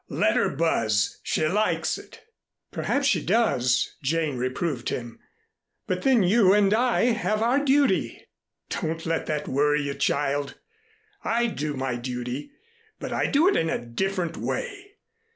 Let her buzz, she likes it." "Perhaps she does," Jane reproved him. "But then you and I have our duty." "Don't let that worry you, child. I do my duty but I do it in a different way.